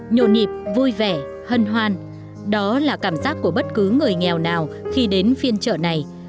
nhộn nhịp vui vẻ hân hoan đó là cảm giác của bất cứ người nghèo nào khi đến phiên chợ này